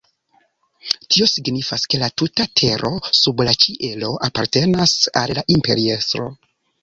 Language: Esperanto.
Tio signifas, ke la tuta tero sub la ĉielo apartenas al la imperiestro.